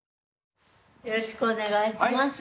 よろしくお願いします。